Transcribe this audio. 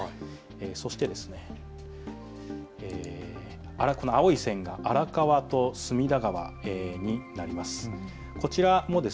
そしてこの青い線が荒川と隅田川になります。